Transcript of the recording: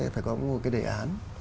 phải có một cái đề án